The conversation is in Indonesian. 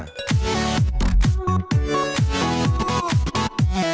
tim lipitan cnn indonesia natuna